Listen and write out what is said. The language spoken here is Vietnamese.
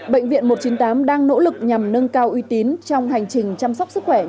bệnh viện một trăm chín mươi tám đang nỗ lực nhằm nâng cao uy tín trong hành trình chăm sóc sức khỏe